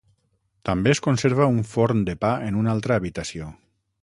També es conserva un forn de pa en una altra habitació.